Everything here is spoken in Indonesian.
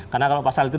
karena kalau pasal itu